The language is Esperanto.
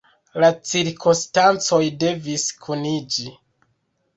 La cirkonstancoj devis kuniĝi.